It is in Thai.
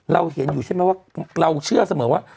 เราเห็นอยู่ใช่ไหมว่าเราเชื่อเสมอว่า